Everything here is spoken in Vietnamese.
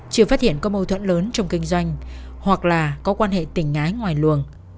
chưa phát hiện có mâu thuẫn lớn trong kinh doanh hoặc là có quan hệ tình ái ngoài luồng